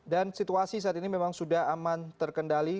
dan situasi saat ini memang sudah aman terkendali